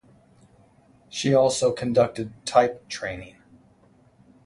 She also conducted type training.